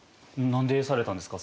何でされたんですか？